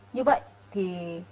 như vậy thì